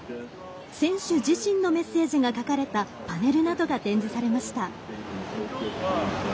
選手自身のメッセージが書かれたパネルなどが展示されました。